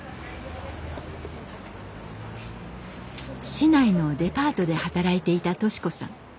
市内のデパートで働いていた敏子さん。